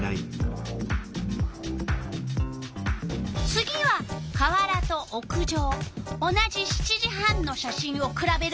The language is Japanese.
次は川原と屋上同じ７時半の写真をくらべるわよ。